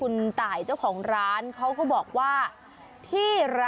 มาห่อเค้กเอาไว้